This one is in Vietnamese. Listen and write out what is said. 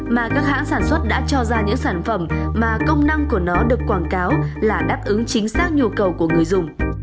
mà các hãng sản xuất đã cho ra những sản phẩm mà công năng của nó được quảng cáo là đáp ứng chính xác nhu cầu của người dùng